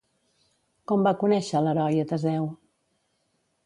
Com va conèixer l'heroi a Teseu?